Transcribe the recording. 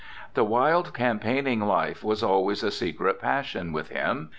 The wild campaigning life was always a secret passion with him.